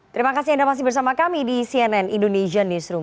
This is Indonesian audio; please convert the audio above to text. terima kasih anda masih bersama kami di cnn indonesian newsroom